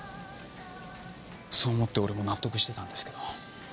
そう思って俺も納得してたんですけど。